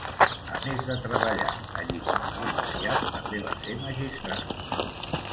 A més de treballar allí com a comerciant, també va ser magistrat.